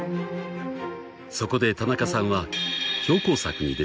［そこで田中さんは］